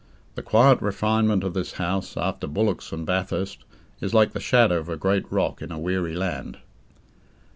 The quiet refinement of this house, after bullocks and Bathurst, is like the shadow of a great rock in a weary land.